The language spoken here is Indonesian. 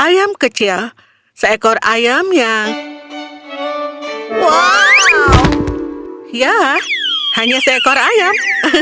ya hanya seekor ayam